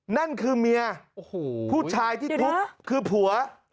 นั่นคือเมียผู้ชายที่ทุบคือผัว